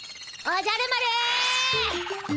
おじゃる丸。